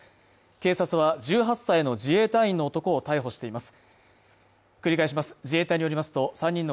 警察は１８歳の自衛隊員の男を逮捕しています。